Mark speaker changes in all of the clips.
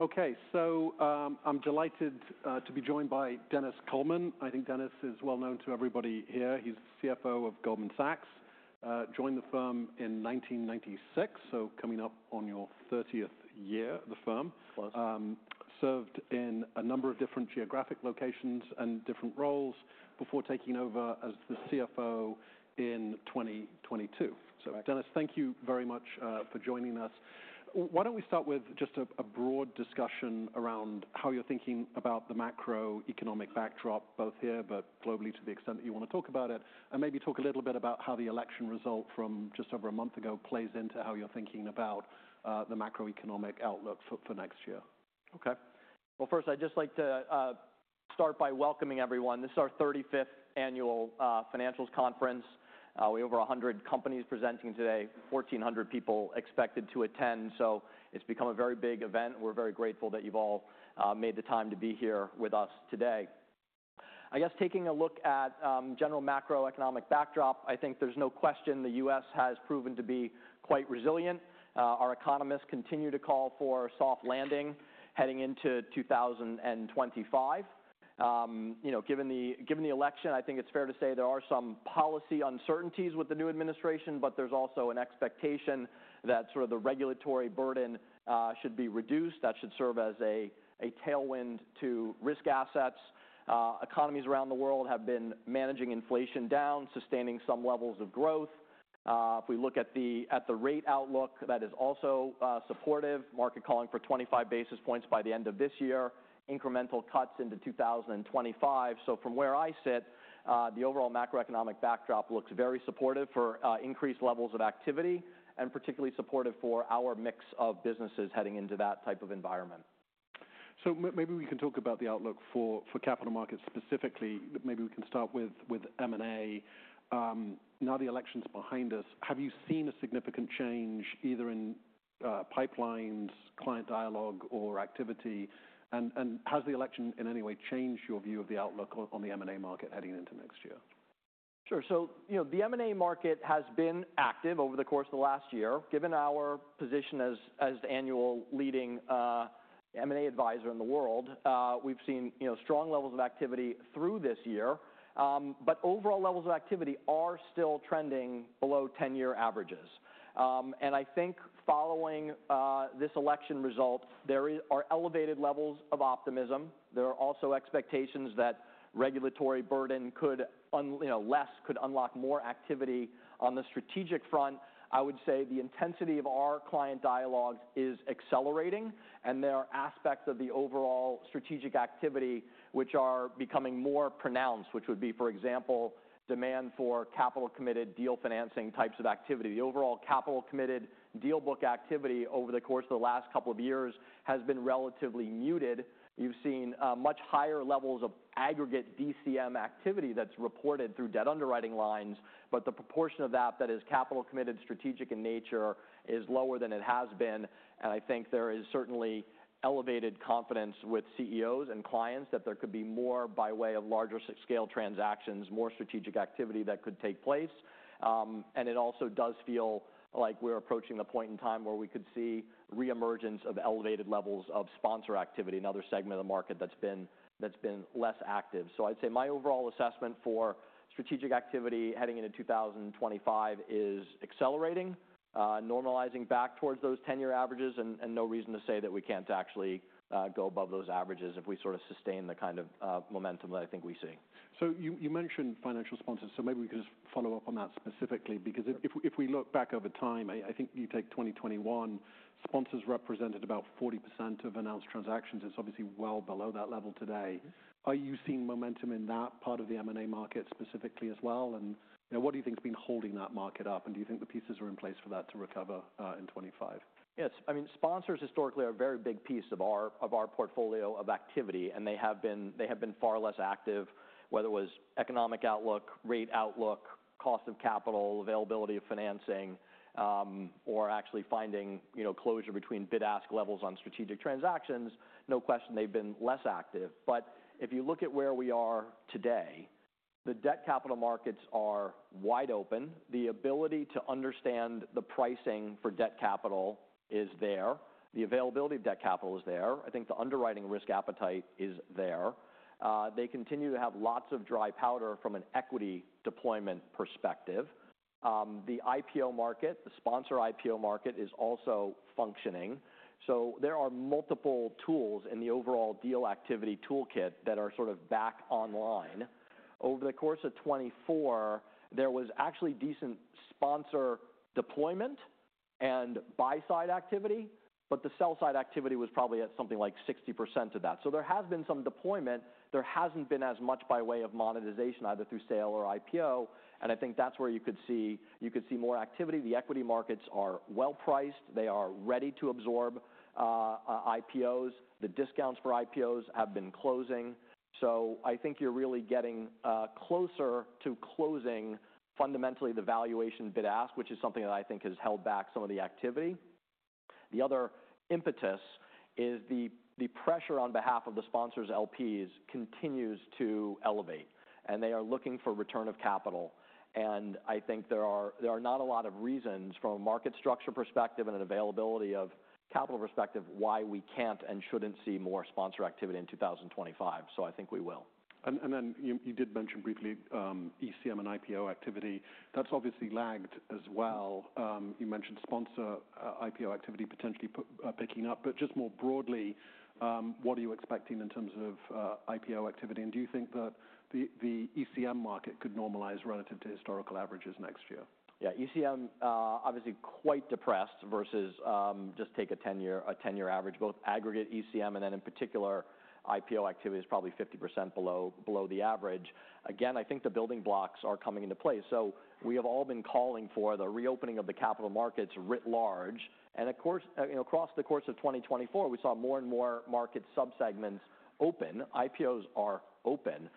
Speaker 1: Okay, so I'm delighted to be joined by Denis Coleman. I think Denis is well known to everybody here. He's the CFO of Goldman Sachs, joined the firm in 1996, so coming up on your 30th year at the firm. Served in a number of different geographic locations and different roles before taking over as the CFO in 2022. So Denis, thank you very much for joining us. Why don't we start with just a broad discussion around how you're thinking about the macroeconomic backdrop, both here but globally, to the extent that you want to talk about it, and maybe talk a little bit about how the election result from just over a month ago plays into how you're thinking about the macroeconomic outlook for next year. Okay.
Speaker 2: First, I'd just like to start by welcoming everyone. This is our 35th annual financials conference. We have over 100 companies presenting today, 1,400 people expected to attend, so it's become a very big event. We're very grateful that you've all made the time to be here with us today. I guess taking a look at general macroeconomic backdrop, I think there's no question the U.S. has proven to be quite resilient. Our economists continue to call for a soft landing heading into 2025. Given the election, I think it's fair to say there are some policy uncertainties with the new administration, but there's also an expectation that sort of the regulatory burden should be reduced. That should serve as a tailwind to risk assets. Economies around the world have been managing inflation down, sustaining some levels of growth. If we look at the rate outlook, that is also supportive. Market calling for 25 basis points by the end of this year, incremental cuts into 2025. So from where I sit, the overall macroeconomic backdrop looks very supportive for increased levels of activity and particularly supportive for our mix of businesses heading into that type of environment.
Speaker 1: So maybe we can talk about the outlook for capital markets specifically. Maybe we can start with M&A. Now the election's behind us. Have you seen a significant change either in pipelines, client dialogue, or activity? And has the election in any way changed your view of the outlook on the M&A market heading into next year?
Speaker 2: Sure. So the M&A market has been active over the course of the last year. Given our position as the annual leading M&A advisor in the world, we've seen strong levels of activity through this year. But overall levels of activity are still trending below 10-year averages. And I think following this election result, there are elevated levels of optimism. There are also expectations that regulatory burden less could unlock more activity on the strategic front. I would say the intensity of our client dialogue is accelerating, and there are aspects of the overall strategic activity which are becoming more pronounced, which would be, for example, demand for capital-committed deal financing types of activity. The overall capital-committed deal book activity over the course of the last couple of years has been relatively muted. You've seen much higher levels of aggregate DCM activity that's reported through debt underwriting lines, but the proportion of that that is capital-committed, strategic in nature, is lower than it has been. And I think there is certainly elevated confidence with CEOs and clients that there could be more by way of larger scale transactions, more strategic activity that could take place. And it also does feel like we're approaching the point in time where we could see reemergence of elevated levels of sponsor activity, another segment of the market that's been less active. So I'd say my overall assessment for strategic activity heading into 2025 is accelerating, normalizing back towards those 10-year averages, and no reason to say that we can't actually go above those averages if we sort of sustain the kind of momentum that I think we see.
Speaker 1: So you mentioned financial sponsors, so maybe we could just follow up on that specifically, because if we look back over time, I think you take 2021, sponsors represented about 40% of announced transactions. It's obviously well below that level today. Are you seeing momentum in that part of the M&A market specifically as well? And what do you think's been holding that market up? And do you think the pieces are in place for that to recover in 2025?
Speaker 2: Yes. I mean, sponsors historically are a very big piece of our portfolio of activity, and they have been far less active, whether it was economic outlook, rate outlook, cost of capital, availability of financing, or actually finding closure between bid-ask levels on strategic transactions. No question they've been less active. But if you look at where we are today, the debt capital markets are wide open. The ability to understand the pricing for debt capital is there. The availability of debt capital is there. I think the underwriting risk appetite is there. They continue to have lots of dry powder from an equity deployment perspective. The IPO market, the sponsor IPO market, is also functioning. So there are multiple tools in the overall deal activity toolkit that are sort of back online. Over the course of 2024, there was actually decent sponsor deployment and buy-side activity, but the sell-side activity was probably at something like 60% of that. So there has been some deployment. There hasn't been as much by way of monetization, either through sale or IPO. And I think that's where you could see more activity. The equity markets are well priced. They are ready to absorb IPOs. The discounts for IPOs have been closing. So I think you're really getting closer to closing, fundamentally, the valuation bid-ask, which is something that I think has held back some of the activity. The other impetus is the pressure on behalf of the sponsors' LPs continues to elevate, and they are looking for return of capital. I think there are not a lot of reasons from a market structure perspective and an availability of capital perspective why we can't and shouldn't see more sponsor activity in 2025. I think we will.
Speaker 1: And then you did mention briefly ECM and IPO activity. That's obviously lagged as well. You mentioned sponsor IPO activity potentially picking up. But just more broadly, what are you expecting in terms of IPO activity? And do you think that the ECM market could normalize relative to historical averages next year?
Speaker 2: Yeah, ECM obviously quite depressed, versus just take a 10-year average. Both aggregate ECM and then in particular IPO activity is probably 50% below the average. Again, I think the building blocks are coming into place, so we have all been calling for the reopening of the capital markets writ large, and of course, across the course of 2024, we saw more and more market subsegments open. IPOs are open.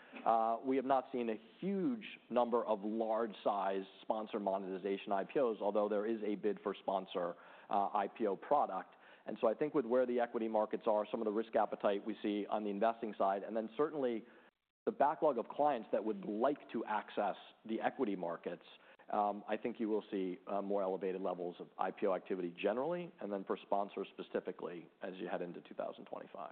Speaker 2: We have not seen a huge number of large-sized sponsor monetization IPOs, although there is a bid for sponsor IPO product, and so I think with where the equity markets are, some of the risk appetite we see on the investing side, and then certainly the backlog of clients that would like to access the equity markets, I think you will see more elevated levels of IPO activity generally, and then for sponsors specifically as you head into 2025.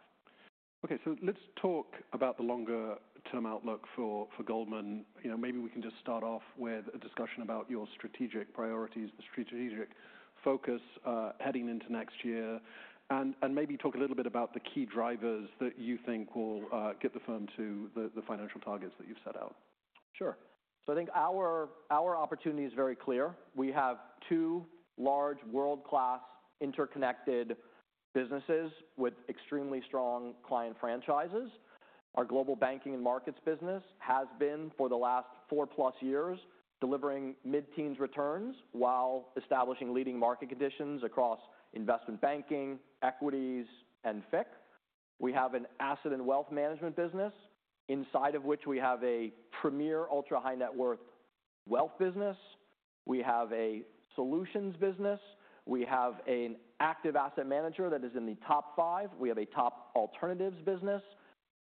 Speaker 1: Okay, so let's talk about the longer-term outlook for Goldman. Maybe we can just start off with a discussion about your strategic priorities, the strategic focus heading into next year, and maybe talk a little bit about the key drivers that you think will get the firm to the financial targets that you've set out.
Speaker 2: Sure. So I think our opportunity is very clear. We have two large world-class interconnected businesses with extremely strong client franchises. Our Global Banking and Markets Business has been for the last four-plus years delivering mid-teens returns while establishing leading market conditions across investment banking, equities, and FICC. We have an Asset and Wealth Management business inside of which we have a premier ultra-high-net-worth wealth business. We have a solutions business. We have an active asset manager that is in the top five. We have a top alternatives business.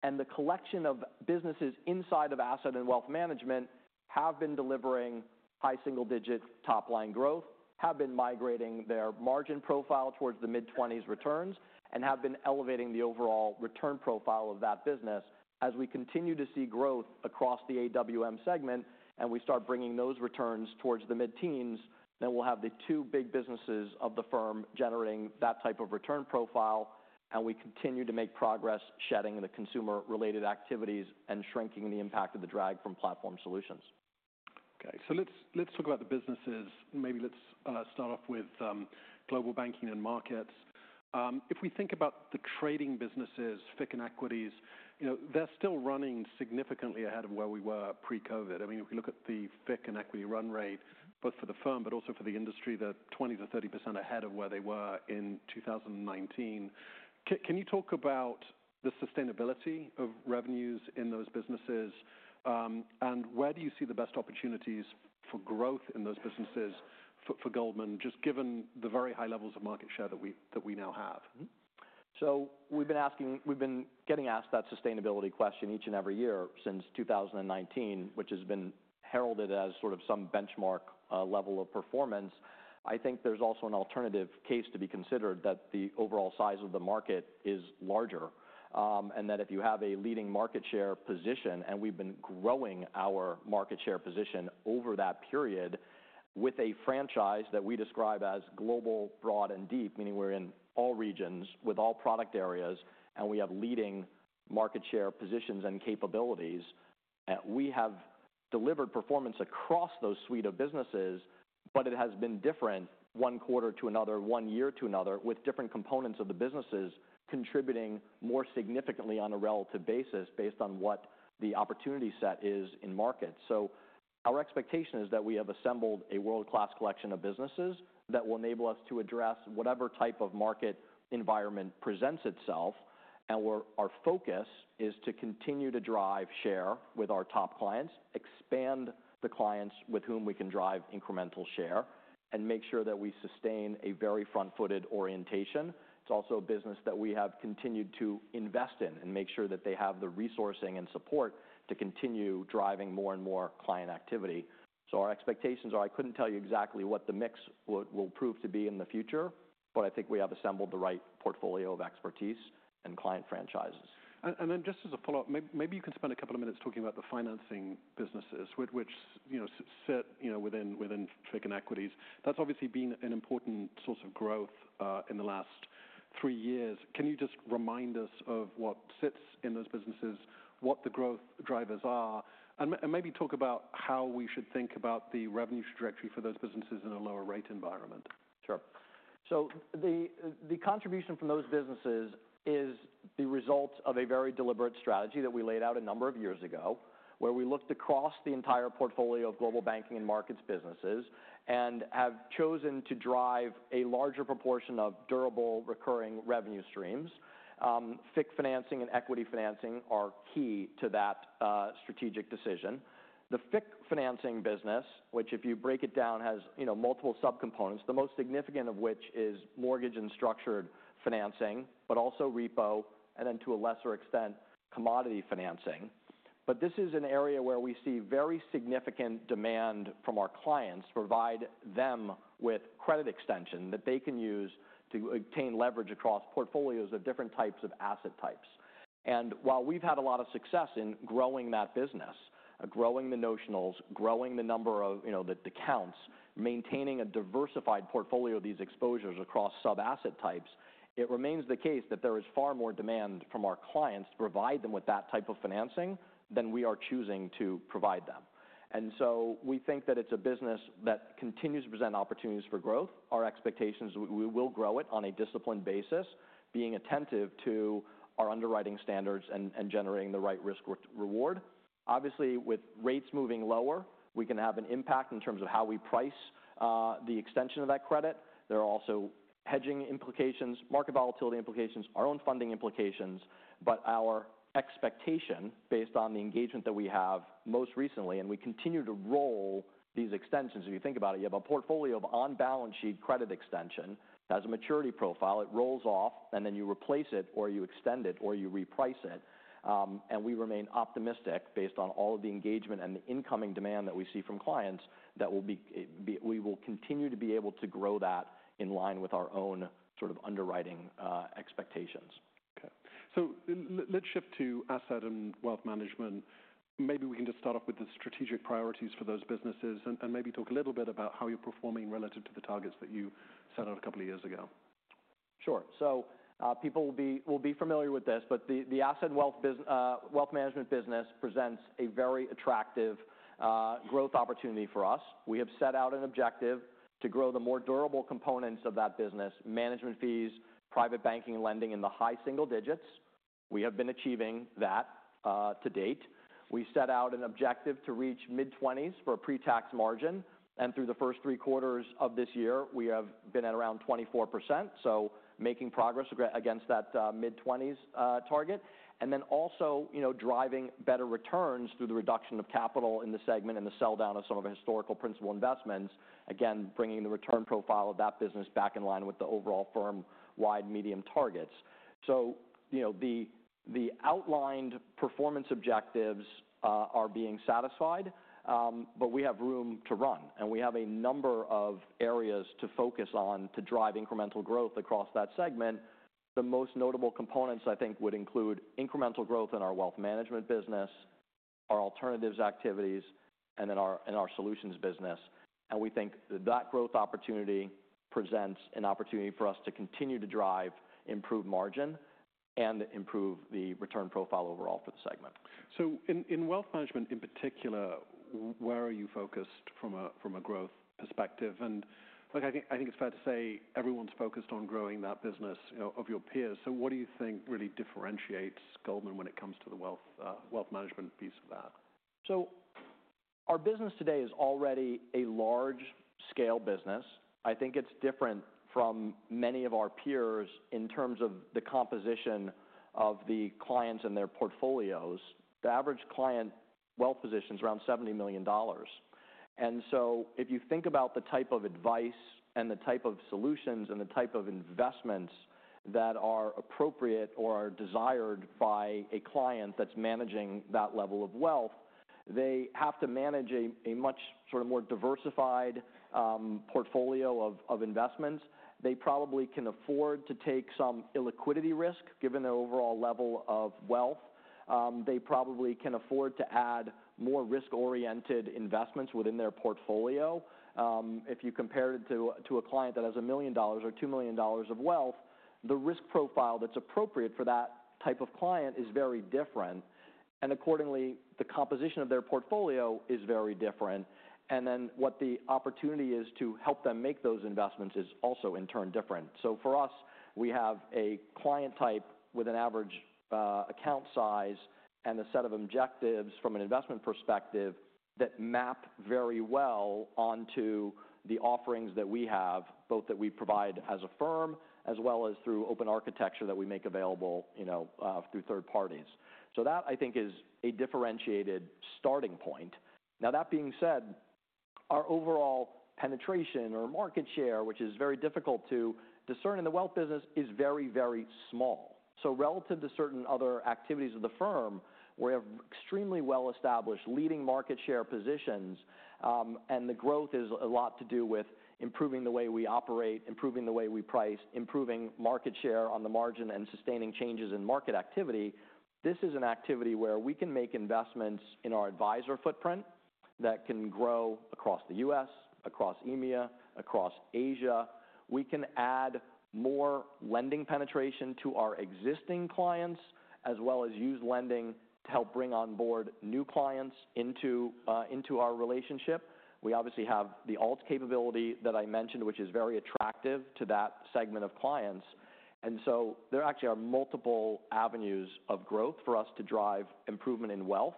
Speaker 2: And the collection of businesses inside of asset and wealth management have been delivering high single-digit top-line growth, have been migrating their margin profile towards the mid-20s returns, and have been elevating the overall return profile of that business. As we continue to see growth across the AWM segment and we start bringing those returns towards the mid-teens, then we'll have the two big businesses of the firm generating that type of return profile, and we continue to make progress shedding the consumer-related activities and shrinking the impact of the drag from Platform Solutions.
Speaker 1: Okay, so let's talk about the businesses. Maybe let's start off with global banking and markets. If we think about the trading businesses, FICC and equities, they're still running significantly ahead of where we were pre-COVID. I mean, if we look at the FICC and equity run rate, both for the firm but also for the industry, they're 20%-30% ahead of where they were in 2019. Can you talk about the sustainability of revenues in those businesses? And where do you see the best opportunities for growth in those businesses for Goldman, just given the very high levels of market share that we now have?
Speaker 2: So we've been getting asked that sustainability question each and every year since 2019, which has been heralded as sort of some benchmark level of performance. I think there's also an alternative case to be considered, that the overall size of the market is larger, and that if you have a leading market share position, and we've been growing our market share position over that period with a franchise that we describe as global, broad, and deep, meaning we're in all regions with all product areas, and we have leading market share positions and capabilities. We have delivered performance across those suite of businesses, but it has been different one quarter to another, one year to another, with different components of the businesses contributing more significantly on a relative basis based on what the opportunity set is in markets. So our expectation is that we have assembled a world-class collection of businesses that will enable us to address whatever type of market environment presents itself. And our focus is to continue to drive share with our top clients, expand the clients with whom we can drive incremental share, and make sure that we sustain a very front-footed orientation. It's also a business that we have continued to invest in and make sure that they have the resourcing and support to continue driving more and more client activity. So our expectations are, I couldn't tell you exactly what the mix will prove to be in the future, but I think we have assembled the right portfolio of expertise and client franchises. And then just as a follow-up, maybe you can spend a couple of minutes talking about the financing businesses, which sit within FICC and equities. That's obviously been an important source of growth in the last three years. Can you just remind us of what sits in those businesses, what the growth drivers are, and maybe talk about how we should think about the revenue trajectory for those businesses in a lower-rate environment? Sure. So the contribution from those businesses is the result of a very deliberate strategy that we laid out a number of years ago, where we looked across the entire portfolio of Global Banking and Markets businesses and have chosen to drive a larger proportion of durable recurring revenue streams. FICC financing and equity financing are key to that strategic decision. The FICC financing business, which if you break it down, has multiple subcomponents, the most significant of which is mortgage and structured financing, but also repo, and then to a lesser extent, commodity financing. But this is an area where we see very significant demand from our clients to provide them with credit extension that they can use to obtain leverage across portfolios of different types of asset types. And while we've had a lot of success in growing that business, growing the notionals, growing the number of accounts, maintaining a diversified portfolio of these exposures across sub-asset types, it remains the case that there is far more demand from our clients to provide them with that type of financing than we are choosing to provide them. And so we think that it's a business that continues to present opportunities for growth. Our expectation is we will grow it on a disciplined basis, being attentive to our underwriting standards and generating the right risk-reward. Obviously, with rates moving lower, we can have an impact in terms of how we price the extension of that credit. There are also hedging implications, market volatility implications, our own funding implications. But our expectation, based on the engagement that we have most recently, and we continue to roll these extensions, if you think about it, you have a portfolio of on-balance sheet credit extension. It has a maturity profile. It rolls off, and then you replace it, or you extend it, or you reprice it. And we remain optimistic based on all of the engagement and the incoming demand that we see from clients that we will continue to be able to grow that in line with our own sort of underwriting expectations.
Speaker 1: Okay. So let's shift to Asset and Wealth Management. Maybe we can just start off with the strategic priorities for those businesses and maybe talk a little bit about how you're performing relative to the targets that you set out a couple of years ago.
Speaker 2: Sure, so people will be familiar with this, but the asset and wealth management business presents a very attractive growth opportunity for us. We have set out an objective to grow the more durable components of that business: management fees, private banking, and lending in the high single digits. We have been achieving that to date. We set out an objective to reach mid-20s for a pre-tax margin, and through the first three quarters of this year, we have been at around 24%, so making progress against that mid-20s target, and then also driving better returns through the reduction of capital in the segment and the sell-down of some of the historical principal investments, again, bringing the return profile of that business back in line with the overall firm-wide medium targets, so the outlined performance objectives are being satisfied, but we have room to run. And we have a number of areas to focus on to drive incremental growth across that segment. The most notable components, I think, would include incremental growth in our wealth management business, our alternatives activities, and then our solutions business. And we think that growth opportunity presents an opportunity for us to continue to drive improved margin and improve the return profile overall for the segment.
Speaker 1: So in wealth management in particular, where are you focused from a growth perspective? And I think it's fair to say everyone's focused on growing that business of your peers. So what do you think really differentiates Goldman when it comes to the wealth management piece of that?
Speaker 2: Our business today is already a large-scale business. I think it's different from many of our peers in terms of the composition of the clients and their portfolios. The average client wealth position is around $70 million. If you think about the type of advice and the type of solutions and the type of investments that are appropriate or are desired by a client that's managing that level of wealth, they have to manage a much sort of more diversified portfolio of investments. They probably can afford to take some illiquidity risk given their overall level of wealth. They probably can afford to add more risk-oriented investments within their portfolio. If you compare it to a client that has a million dollars or two million dollars of wealth, the risk profile that's appropriate for that type of client is very different. And accordingly, the composition of their portfolio is very different. And then what the opportunity is to help them make those investments is also, in turn, different. So for us, we have a client type with an average account size and a set of objectives from an investment perspective that map very well onto the offerings that we have, both that we provide as a firm as well as through open architecture that we make available through third parties. So that, I think, is a differentiated starting point. Now, that being said, our overall penetration or market share, which is very difficult to discern in the wealth business, is very, very small. So relative to certain other activities of the firm, we have extremely well-established leading market share positions. The growth is a lot to do with improving the way we operate, improving the way we price, improving market share on the margin, and sustaining changes in market activity. This is an activity where we can make investments in our advisor footprint that can grow across the U.S., across EMEA, across Asia. We can add more lending penetration to our existing clients as well as use lending to help bring on board new clients into our relationship. We obviously have the ALT capability that I mentioned, which is very attractive to that segment of clients. And so there actually are multiple avenues of growth for us to drive improvement in wealth,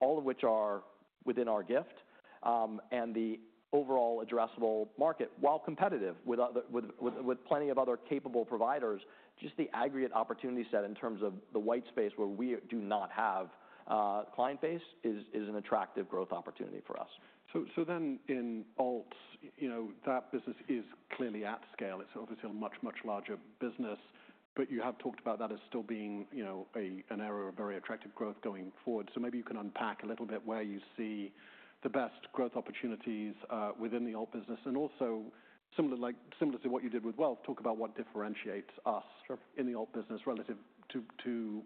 Speaker 2: all of which are within our gift. The overall addressable market, while competitive with plenty of other capable providers, just the aggregate opportunity set in terms of the white space where we do not have client base is an attractive growth opportunity for us.
Speaker 1: In Alts, that business is clearly at scale. It's obviously a much, much larger business. You have talked about that as still being an area of very attractive growth going forward. Maybe you can unpack a little bit where you see the best growth opportunities within the ALT business. Also, similar to what you did with Wealth, talk about what differentiates us in the ALT business relative to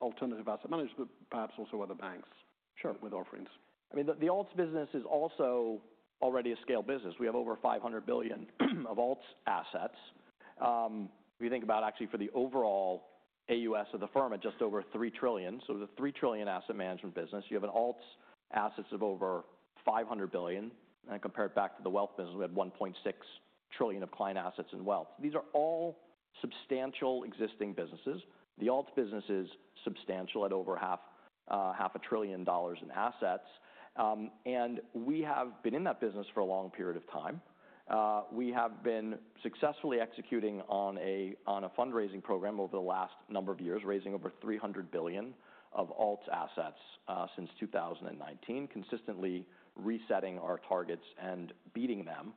Speaker 1: alternative asset management, but perhaps also other banks with offerings.
Speaker 2: Sure. I mean, the Alts business is also already a scale business. We have over $500 billion of Alts assets. If you think about actually for the overall AUM of the firm, it's just over $3 trillion. So the $3 trillion asset management business, you have Alts assets of over $500 billion. And compare it back to the wealth business, we have $1.6 trillion of client assets in wealth. These are all substantial existing businesses. The Alts business is substantial at over $500,000,000,000 in assets. And we have been in that business for a long period of time. We have been successfully executing on a fundraising program over the last number of years, raising over $300 billion of Alts assets since 2019, consistently resetting our targets and beating them.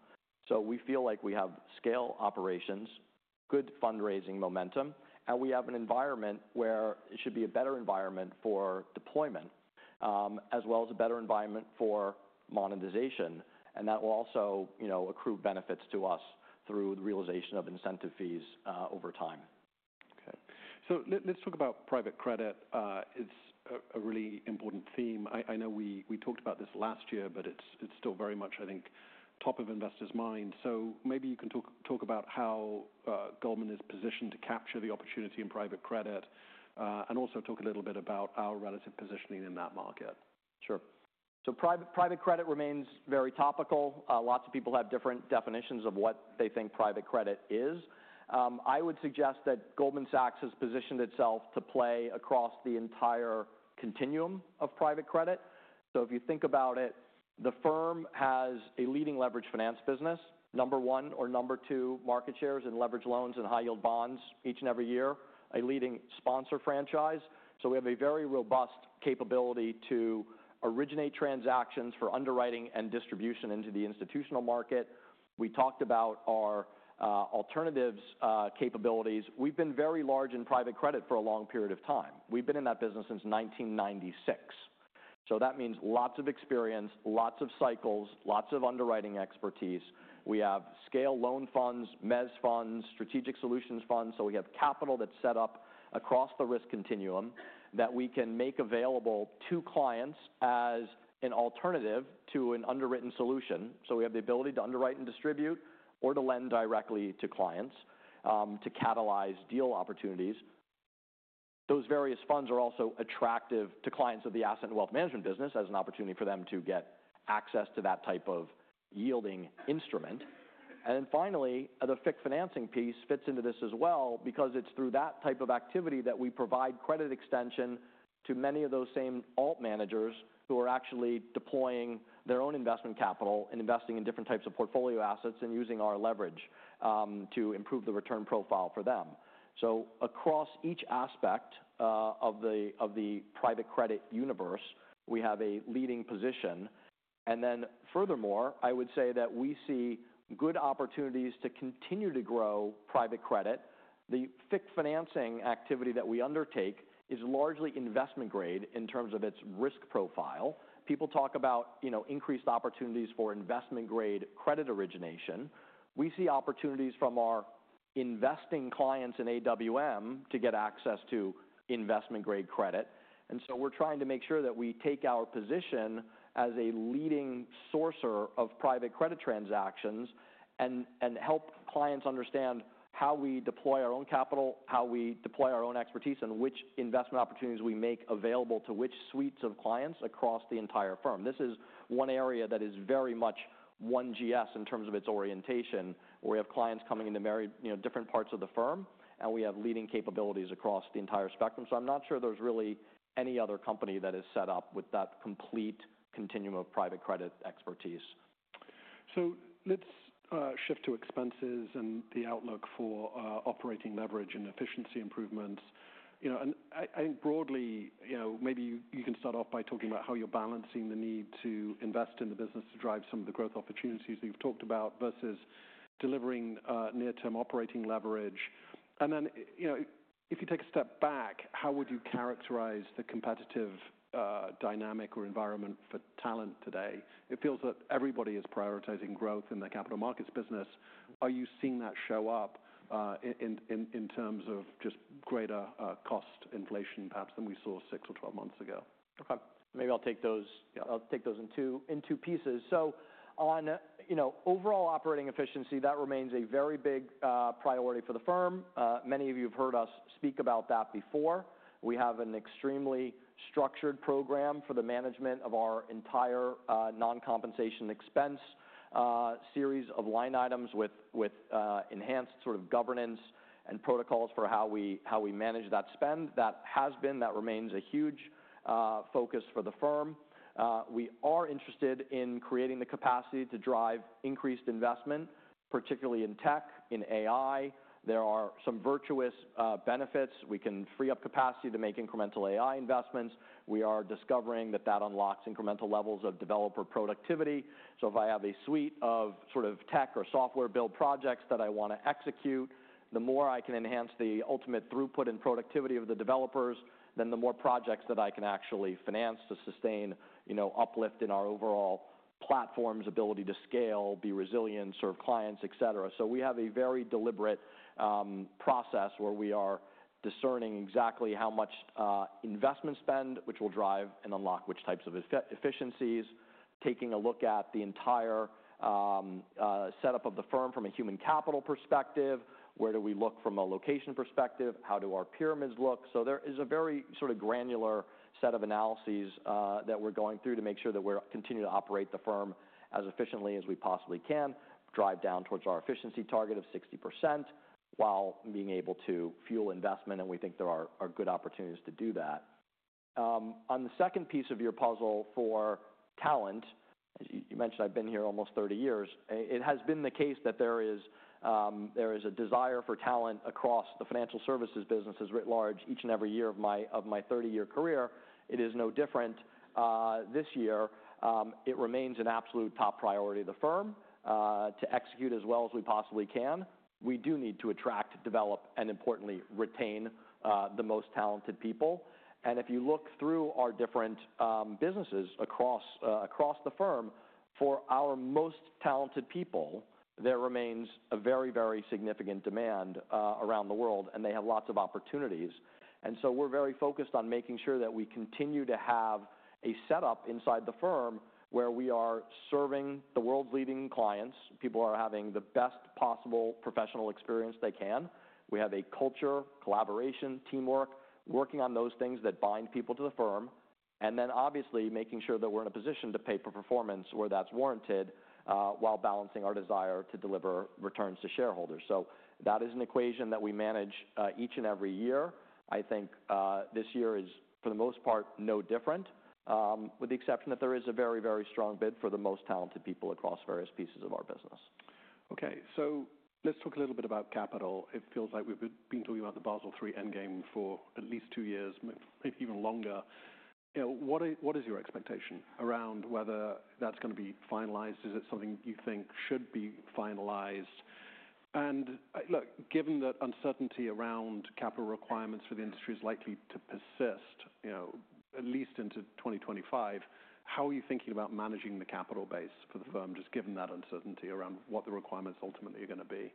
Speaker 2: We feel like we have scale operations, good fundraising momentum, and we have an environment where it should be a better environment for deployment as well as a better environment for monetization. That will also accrue benefits to us through the realization of incentive fees over time.
Speaker 1: Okay. So let's talk about private credit. It's a really important theme. I know we talked about this last year, but it's still very much, I think, top of investors' minds. So maybe you can talk about how Goldman is positioned to capture the opportunity in private credit and also talk a little bit about our relative positioning in that market.
Speaker 2: Sure, so private credit remains very topical. Lots of people have different definitions of what they think private credit is. I would suggest that Goldman Sachs has positioned itself to play across the entire continuum of private credit, so if you think about it, the firm has a leading leveraged finance business, number one or number two market shares in leverage loans and high-yield bonds each and every year, a leading sponsor franchise. So we have a very robust capability to originate transactions for underwriting and distribution into the institutional market. We talked about our alternatives capabilities. We've been very large in private credit for a long period of time. We've been in that business since 1996, so that means lots of experience, lots of cycles, lots of underwriting expertise. We have scale loan funds, MES funds, strategic solutions funds. So we have capital that's set up across the risk continuum that we can make available to clients as an alternative to an underwritten solution. So we have the ability to underwrite and distribute or to lend directly to clients to catalyze deal opportunities. Those various funds are also attractive to clients of the asset and wealth management business as an opportunity for them to get access to that type of yielding instrument. And then finally, the FICC financing piece fits into this as well because it's through that type of activity that we provide credit extension to many of those same ALT managers who are actually deploying their own investment capital and investing in different types of portfolio assets and using our leverage to improve the return profile for them. So across each aspect of the private credit universe, we have a leading position. And then furthermore, I would say that we see good opportunities to continue to grow private credit. The FICC financing activity that we undertake is largely investment-grade in terms of its risk profile. People talk about increased opportunities for investment-grade credit origination. We see opportunities from our investing clients in AWM to get access to investment-grade credit. And so we're trying to make sure that we take our position as a leading sourcer of private credit transactions and help clients understand how we deploy our own capital, how we deploy our own expertise, and which investment opportunities we make available to which suites of clients across the entire firm. This is one area that is very much 1GS in terms of its orientation, where we have clients coming into different parts of the firm, and we have leading capabilities across the entire spectrum. I'm not sure there's really any other company that is set up with that complete continuum of private credit expertise.
Speaker 1: Let's shift to expenses and the outlook for operating leverage and efficiency improvements. And I think broadly, maybe you can start off by talking about how you're balancing the need to invest in the business to drive some of the growth opportunities that you've talked about versus delivering near-term operating leverage. And then if you take a step back, how would you characterize the competitive dynamic or environment for talent today? It feels that everybody is prioritizing growth in their capital markets business. Are you seeing that show up in terms of just greater cost inflation perhaps than we saw six or 12 months ago?
Speaker 2: Okay. Maybe I'll take those in two pieces. So on overall operating efficiency, that remains a very big priority for the firm. Many of you have heard us speak about that before. We have an extremely structured program for the management of our entire non-compensation expense series of line items with enhanced sort of governance and protocols for how we manage that spend. That has been, that remains a huge focus for the firm. We are interested in creating the capacity to drive increased investment, particularly in tech, in AI. There are some virtuous benefits. We can free up capacity to make incremental AI investments. We are discovering that that unlocks incremental levels of developer productivity. So, if I have a suite of sort of tech or software-built projects that I want to execute, the more I can enhance the ultimate throughput and productivity of the developers, then the more projects that I can actually finance to sustain uplift in our overall platform's ability to scale, be resilient, serve clients, etc. So we have a very deliberate process where we are discerning exactly how much investment spend, which will drive and unlock which types of efficiencies, taking a look at the entire setup of the firm from a human capital perspective. Where do we look from a location perspective? How do our pyramids look? So there is a very sort of granular set of analyses that we're going through to make sure that we continue to operate the firm as efficiently as we possibly can, drive down towards our efficiency target of 60% while being able to fuel investment. And we think there are good opportunities to do that. On the second piece of your puzzle for talent, as you mentioned, I've been here almost 30 years. It has been the case that there is a desire for talent across the financial services businesses writ large each and every year of my 30-year career. It is no different. This year, it remains an absolute top priority of the firm to execute as well as we possibly can. We do need to attract, develop, and importantly, retain the most talented people. And if you look through our different businesses across the firm, for our most talented people, there remains a very, very significant demand around the world, and they have lots of opportunities. And so we're very focused on making sure that we continue to have a setup inside the firm where we are serving the world's leading clients. People are having the best possible professional experience they can. We have a culture, collaboration, teamwork, working on those things that bind people to the firm, and then obviously making sure that we're in a position to pay for performance where that's warranted while balancing our desire to deliver returns to shareholders. So that is an equation that we manage each and every year. I think this year is, for the most part, no different, with the exception that there is a very, very strong bid for the most talented people across various pieces of our business.
Speaker 1: Okay, so let's talk a little bit about capital. It feels like we've been talking about the Basel III endgame for at least two years, maybe even longer. What is your expectation around whether that's going to be finalized? Is it something you think should be finalized? And look, given that uncertainty around capital requirements for the industry is likely to persist at least into 2025, how are you thinking about managing the capital base for the firm, just given that uncertainty around what the requirements ultimately are going to be?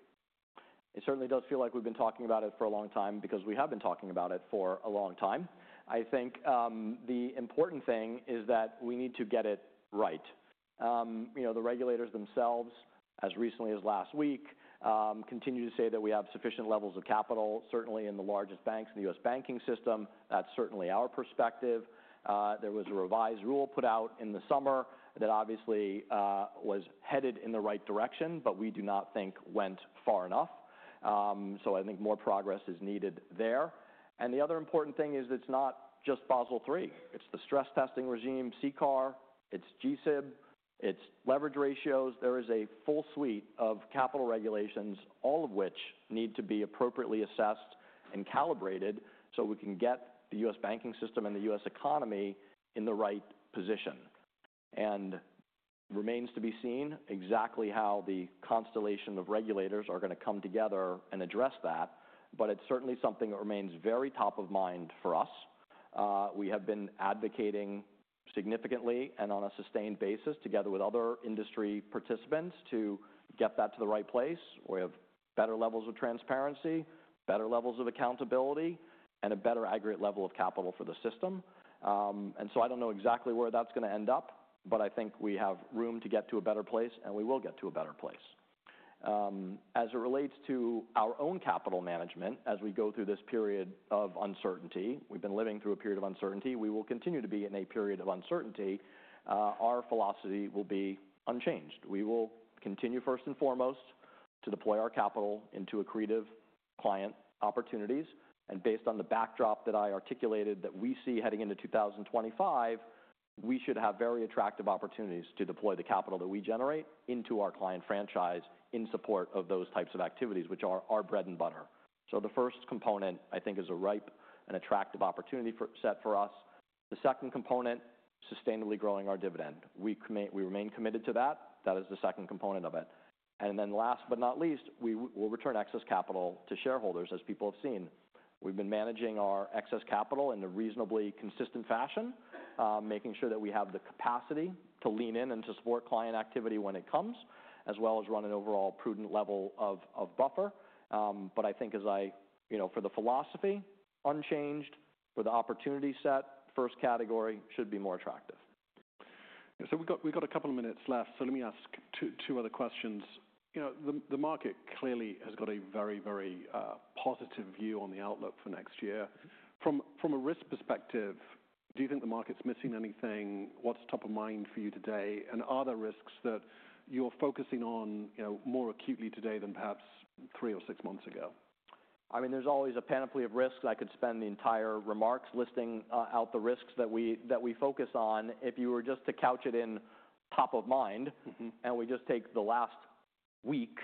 Speaker 2: It certainly does feel like we've been talking about it for a long time because we have been talking about it for a long time. I think the important thing is that we need to get it right. The regulators themselves, as recently as last week, continue to say that we have sufficient levels of capital, certainly in the largest banks in the U.S. banking system. That's certainly our perspective. There was a revised rule put out in the summer that obviously was headed in the right direction, but we do not think went far enough. So I think more progress is needed there, and the other important thing is it's not just Basel III. It's the stress testing regime, CCAR. It's G-SIB. It's leverage ratios. There is a full suite of capital regulations, all of which need to be appropriately assessed and calibrated so we can get the U.S. banking system and the U.S. economy in the right position. And it remains to be seen exactly how the constellation of regulators are going to come together and address that. But it's certainly something that remains very top of mind for us. We have been advocating significantly and on a sustained basis together with other industry participants to get that to the right place where we have better levels of transparency, better levels of accountability, and a better aggregate level of capital for the system. And so I don't know exactly where that's going to end up, but I think we have room to get to a better place, and we will get to a better place. As it relates to our own capital management, as we go through this period of uncertainty, we've been living through a period of uncertainty. We will continue to be in a period of uncertainty. Our philosophy will be unchanged. We will continue, first and foremost, to deploy our capital into accretive client opportunities. And based on the backdrop that I articulated that we see heading into 2025, we should have very attractive opportunities to deploy the capital that we generate into our client franchise in support of those types of activities, which are our bread and butter. So the first component, I think, is a ripe and attractive opportunity set for us. The second component, sustainably growing our dividend. We remain committed to that. That is the second component of it. And then last but not least, we will return excess capital to shareholders, as people have seen. We've been managing our excess capital in a reasonably consistent fashion, making sure that we have the capacity to lean in and to support client activity when it comes, as well as run an overall prudent level of buffer. But I think, for the philosophy, unchanged, for the opportunity set, first category should be more attractive.
Speaker 1: So we've got a couple of minutes left. So let me ask two other questions. The market clearly has got a very, very positive view on the outlook for next year. From a risk perspective, do you think the market's missing anything? What's top of mind for you today? And are there risks that you're focusing on more acutely today than perhaps three or six months ago?
Speaker 2: I mean, there's always a panoply of risks. I could spend the entire remarks listing out the risks that we focus on. If you were just to couch it in top of mind, and we just take the last week,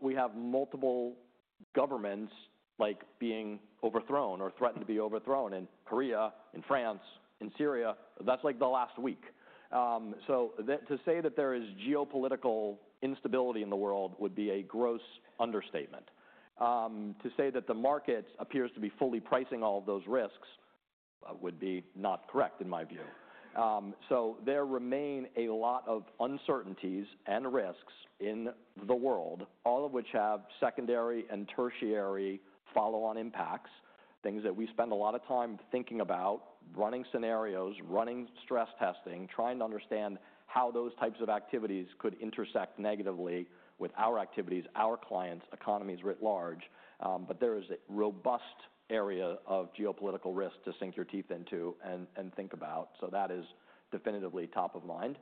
Speaker 2: we have multiple governments being overthrown or threatened to be overthrown in Korea, in France, in Syria. That's like the last week. So to say that there is geopolitical instability in the world would be a gross understatement. To say that the market appears to be fully pricing all of those risks would be not correct, in my view. So there remain a lot of uncertainties and risks in the world, all of which have secondary and tertiary follow-on impacts, things that we spend a lot of time thinking about, running scenarios, running stress testing, trying to understand how those types of activities could intersect negatively with our activities, our clients, economies writ large. But there is a robust area of geopolitical risk to sink your teeth into and think about. So that is definitely top of mind.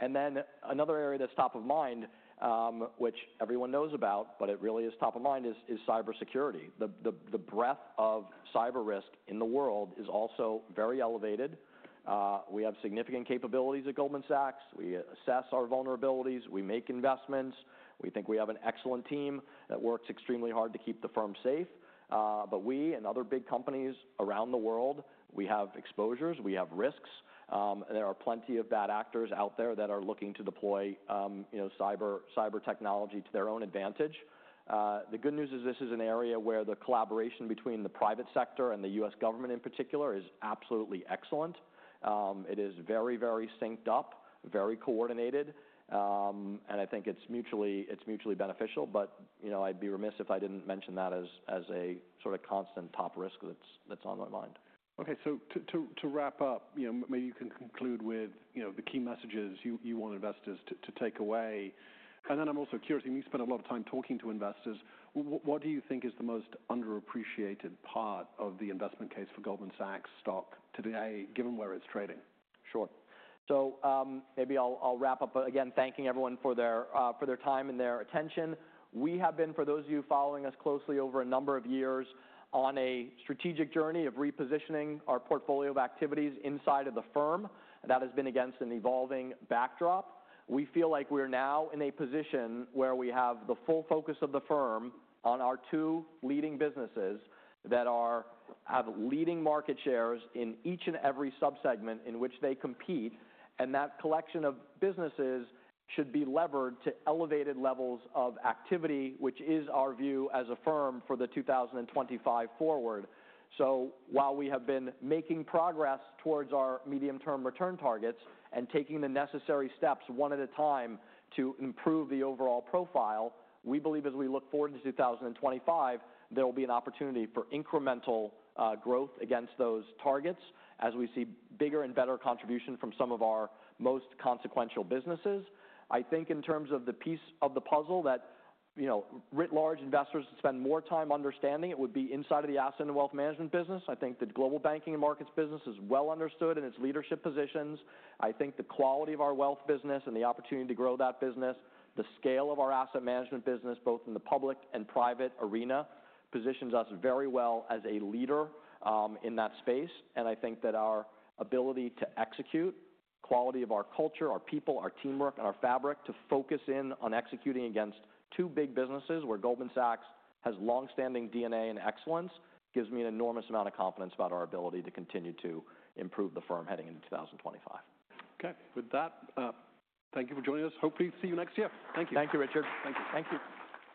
Speaker 2: And then another area that's top of mind, which everyone knows about, but it really is top of mind, is cybersecurity. The breadth of cyber risk in the world is also very elevated. We have significant capabilities at Goldman Sachs. We assess our vulnerabilities. We make investments. We think we have an excellent team that works extremely hard to keep the firm safe. But we and other big companies around the world, we have exposures. We have risks. There are plenty of bad actors out there that are looking to deploy cyber technology to their own advantage. The good news is this is an area where the collaboration between the private sector and the U.S. government in particular is absolutely excellent. It is very, very synced up, very coordinated. And I think it's mutually beneficial. But I'd be remiss if I didn't mention that as a sort of constant top risk that's on my mind.
Speaker 1: Okay. So to wrap up, maybe you can conclude with the key messages you want investors to take away. And then I'm also curious, you spend a lot of time talking to investors. What do you think is the most underappreciated part of the investment case for Goldman Sachs stock today, given where it's trading?
Speaker 2: Sure. So maybe I'll wrap up again, thanking everyone for their time and their attention. We have been, for those of you following us closely over a number of years, on a strategic journey of repositioning our portfolio of activities inside of the firm. That has been against an evolving backdrop. We feel like we're now in a position where we have the full focus of the firm on our two leading businesses that have leading market shares in each and every subsegment in which they compete. And that collection of businesses should be levered to elevated levels of activity, which is our view as a firm for the 2025 forward. So while we have been making progress towards our medium-term return targets and taking the necessary steps one at a time to improve the overall profile, we believe as we look forward to 2025, there will be an opportunity for incremental growth against those targets as we see bigger and better contribution from some of our most consequential businesses. I think in terms of the piece of the puzzle that writ large investors spend more time understanding, it would be inside of the Asset and Wealth Management business. I think the Global Banking and Markets business is well understood in its leadership positions. I think the quality of our wealth business and the opportunity to grow that business, the scale of our asset management business, both in the public and private arena, positions us very well as a leader in that space. I think that our ability to execute, quality of our culture, our people, our teamwork, and our fabric to focus in on executing against two big businesses where Goldman Sachs has long-standing DNA and excellence gives me an enormous amount of confidence about our ability to continue to improve the firm heading into 2025.
Speaker 1: Okay. With that, thank you for joining us. Hopefully, see you next year. Thank you.
Speaker 2: Thank you, Richard. Thank you.